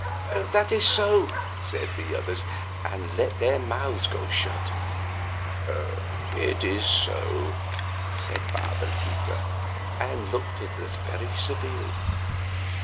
"That is so," said the others, and let their mouths go shut. "It is not so," said Father Peter, and looked at us very severely.